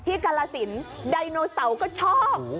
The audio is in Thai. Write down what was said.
ที่กรสินดันโนเสาร์ก็ชอบ